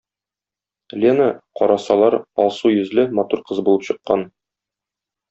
Лена, карасалар, алсу йөзле, матур кыз булып чыккан.